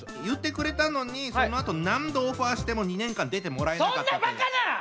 言ってくれたのにそのあと何度オファーしても２年間出てもらえなかったんで。